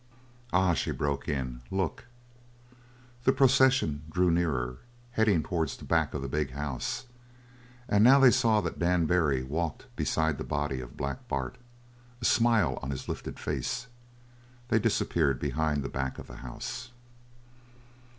"Ah!" she broke in. "Look!" The procession drew nearer, heading towards the back of the big house, and now they saw that Dan Barry walked beside the body of Black Bart, a smile on his lifted face. They disappeared behind the back of the house.